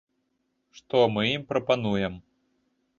Што мы ім прапануем?